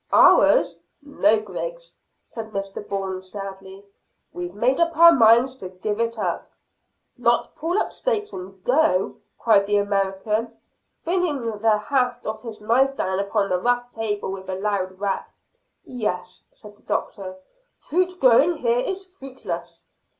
"Ours? No, Griggs," said Mr Bourne sadly. "We've made up our minds to give it up." "Not pull up stakes and go?" cried the American, bringing the haft of his knife down upon the rough table with a loud rap. "Yes," said the doctor; "fruit growing here is fruitless."